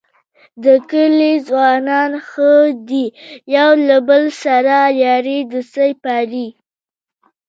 د کلي ځوانان ښه دي یو له بل سره یارۍ دوستۍ پالي.